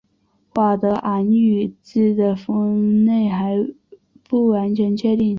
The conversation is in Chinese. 佤德昂语支的分类还不完全确定。